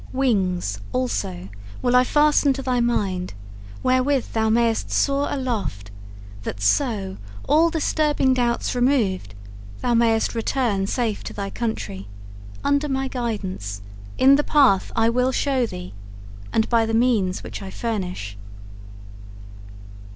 Wings, also, will I fasten to thy mind wherewith thou mayst soar aloft, that so, all disturbing doubts removed, thou mayst return safe to thy country, under my guidance, in the path I will show thee, and by the means which I furnish.'